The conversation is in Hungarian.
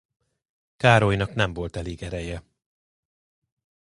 Károlynak nem volt elég ereje.